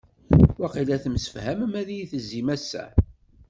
Waqila temsefhamem ad iyi-tezzim ass-a.